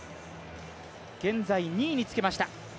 現在２位につけました。